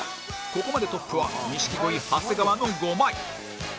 ここまでトップは錦鯉長谷川の５枚